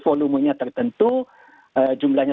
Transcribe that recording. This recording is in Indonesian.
volumenya tertentu jumlahnya